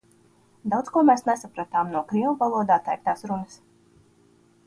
Daudz ko mēs nesapratām no krievu valodā teiktās runas.